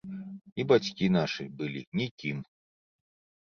І бацькі нашы былі нікім.